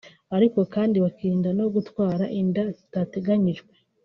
ariko kandi bakirinda no gutwara inda zitateganyijwe